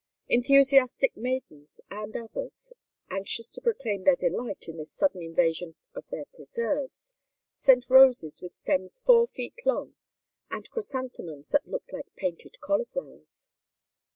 Enthusiastic maidens, and others anxious to proclaim their delight in this sudden invasion of their preserves sent roses with stems four feet long and chrysanthemums that looked like painted cauliflowers.